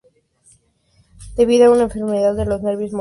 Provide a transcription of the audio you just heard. Debido a una enfermedad de los nervios motores, se retiró antes de tiempo.